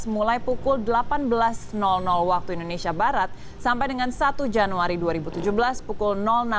mulai pukul delapan belas waktu indonesia barat sampai dengan satu januari dua ribu tujuh belas pukul enam belas